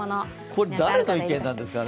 これ誰の意見なんですかね。